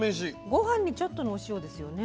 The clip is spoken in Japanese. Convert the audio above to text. ごはんにちょっとのお塩ですよね。